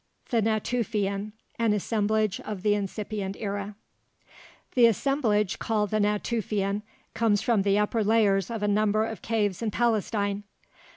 THE NATUFIAN, AN ASSEMBLAGE OF THE INCIPIENT ERA The assemblage called the Natufian comes from the upper layers of a number of caves in Palestine.